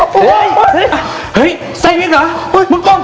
เฮ้ยตรงนี้ไม่ใส่อ้อโอ้ยเฮ้ยเฮ้ยใส่เอาอย่างเห้ยมึงกล่อง